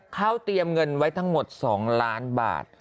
เขาเตรียมเงินไว้ทั้งหมด๒ล้านบาท